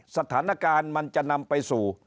สถานการณ์มันจะนำไปสู่